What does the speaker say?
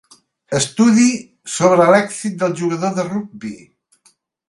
Estudi sobre l'èxit del jugador de rugbi.